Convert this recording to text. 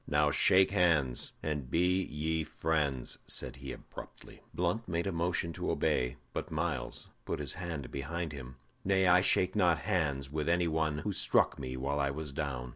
"Now shake hands, and be ye friends," said he, abruptly. Blunt made a motion to obey, but Myles put his hand behind him. "Nay, I shake not hands with any one who struck me while I was down."